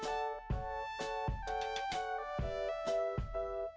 selamat datang di lombok